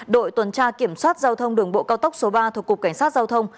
đội tuần tra kiểm soát giao thông đường bộ cao tốc số ba thuộc cục cảnh sát giao thông